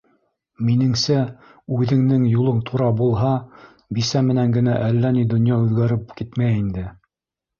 Минеңсә, үҙеңдең юлың тура булһа, бисә менән генә әллә ни донъя үҙгәреп китмәй инде.